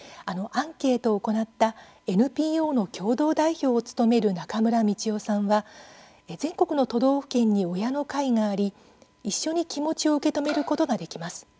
アンケートを行ったＮＰＯの共同代表を務める中村みちよさんは全国の都道府県に親の会があり一緒に気持ちを受け止めることができます。